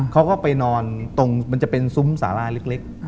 เขาก็ไปนอนตรงมันจะเป็นซุ้มสาลาเล็ก